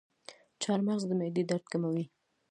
چارمغز د معدې درد کموي.